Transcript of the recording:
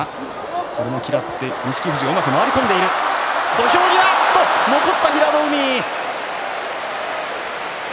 土俵際、残った平戸海。